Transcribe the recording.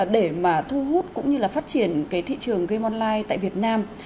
để mà thu hút cũng như là phát triển cái thị trường game online tại việt nam